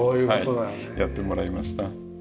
はいやってもらいました。